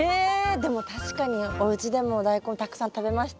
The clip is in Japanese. でも確かにおうちでもダイコンたくさん食べました。